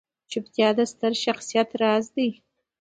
چوپتیا، د ستر شخصیت راز دی.